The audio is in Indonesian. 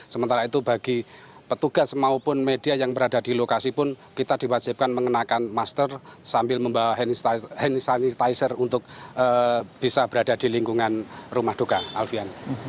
sementara itu bagi petugas maupun media yang berada di lokasi pun kita diwajibkan mengenakan master sambil membawa hand sanitizer untuk bisa berada di lingkungan rumah duka alfian